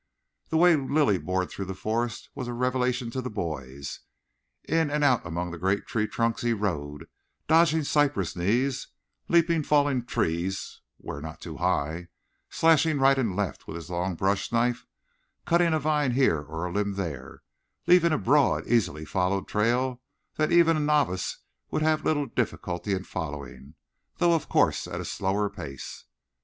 The way Lilly bored through the forest was a revelation to the boys. In and out among the great tree trunks he rode, dodging cypress knees, leaping fallen trees where not too high, slashing right and left with his long bush knife, cutting a vine here or a limb there, leaving a broad, easily followed trail that even a novice would have had little difficulty in following, though of course at a slower pace.